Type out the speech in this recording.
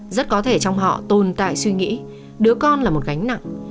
rất có thể trong họ tồn tại suy nghĩ đứa con là một gánh nặng